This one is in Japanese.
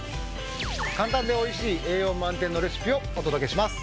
簡単で美味しい栄養満点のレシピをお届けします。